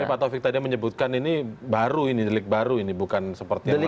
tapi pak taufik tadi menyebutkan ini baru ini delik baru ini bukan seperti yang delik